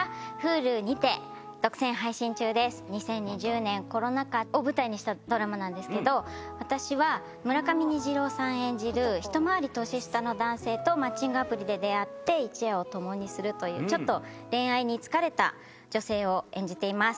２０２０年コロナ禍を舞台にしたドラマなんですけど私は村上虹郎さん演じるひと回り年下の男性とマッチングアプリで出会って一夜を共にするというちょっと恋愛に疲れた女性を演じています。